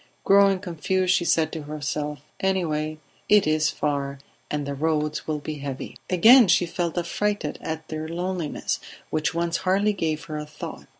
Growing confused, she said to herself "Anyway it is far, and the roads will be heavy." Again she felt affrighted at their loneliness, which once hardly gave her a thought.